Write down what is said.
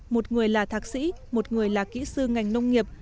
một người là thạc sĩ một người là kỹ sư ngành nông nghiệp